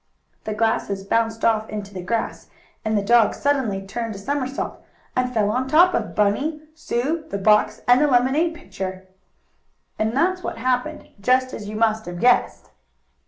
The glasses bounced off into the grass, and the dog suddenly turned a somersault, and fell on top of Bunny, Sue, the box and the lemonade pitcher. And that's what happened, just as you must have guessed.